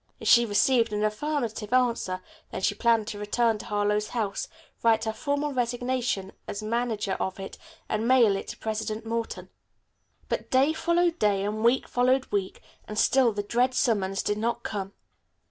If she received an affirmative answer, then she planned to return to Harlowe House, write her formal resignation as manager of it and mail it to President Morton. But day followed day, and week followed week, and still the dread summons did not come.